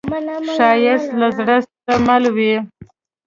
ښایست له زړه سره مل وي